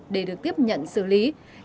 để được tiếp nhận sự liên hệ